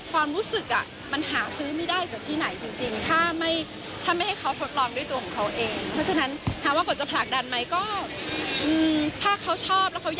ความรู้สึกมันหาซื้อไม่ได้จากที่ไหนจริง